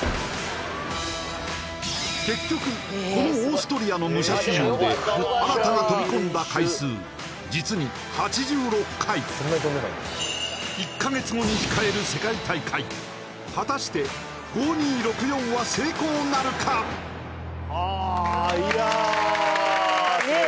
結局このオーストリアの武者修行で荒田が飛び込んだ回数実に８６回１か月後に控える世界大会果たして５２６４は成功なるかあいやすごいすごいねえ